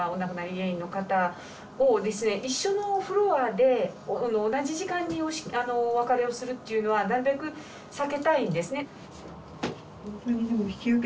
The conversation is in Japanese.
一緒のフロアで同じ時間にお別れをするというのはなるべく避けたいんですね。